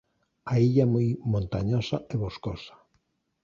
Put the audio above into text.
A illa é moi montañosa e boscosa.